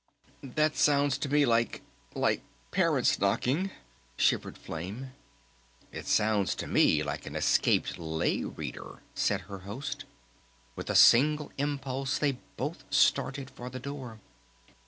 "That sounds to me like like parents' knocking," shivered Flame. "It sounds to me like an escaped Lay Reader," said her Host. With a single impulse they both started for the door.